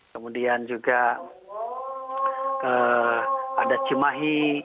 kemudian juga ada cimahi